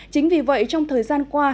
chính vì vậy trong thời gian qua